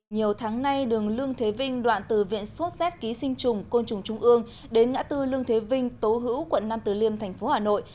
nhiều tháng nay đường lương thế vinh đoạn từ viện sốt z ký sinh trùng côn trùng trung ương đến ngã tư lương thế vinh tố hữu quận năm từ liêm thành phố hà nội